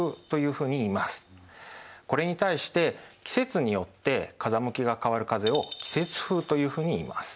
これに対して季節によって風向きが変わる風を季節風というふうにいいます。